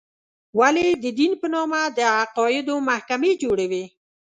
ولې د دین په نامه د عقایدو محکمې جوړې وې.